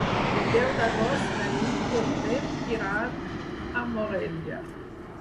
El deu d'agost na Nit i en Pep iran a Morella.